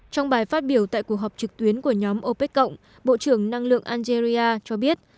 trong bài phát biểu tại cuộc họp trực tuyến của nhóm opec cộng bộ trưởng năng lượng algeria cho biết